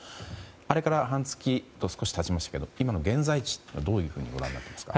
あれから半月と少しが経ちましたが今の現在地をどういうふうにご覧になっていますか。